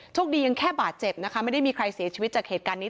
ดียังแค่บาดเจ็บนะคะไม่ได้มีใครเสียชีวิตจากเหตุการณ์นี้